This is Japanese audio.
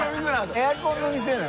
エアコンの店なの。